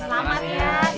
selamat ya sofri